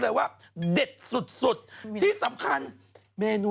จากกระแสของละครกรุเปสันนิวาสนะฮะ